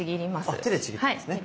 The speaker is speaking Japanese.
あっ手でちぎっていくんですね。